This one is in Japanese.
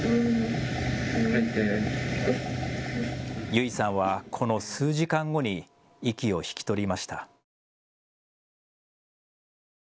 優生さんは、この数時間後に息を引き取りました。